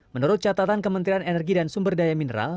menurut catatan kementerian energi dan sumber daya mineral